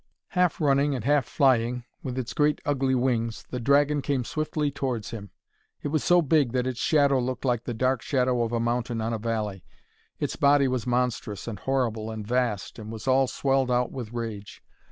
Half running and half flying, with its great ugly wings, the dragon came swiftly towards him. It was so big that its shadow looked like the dark shadow of a mountain on a valley. Its body was monstrous and horrible and vast, and was all swelled out with rage.